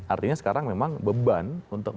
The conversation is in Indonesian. artinya sekarang memang beban untuk